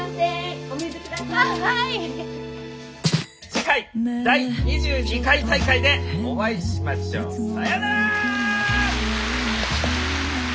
「次回第２２回大会でお会いしましょう！さようなら！」。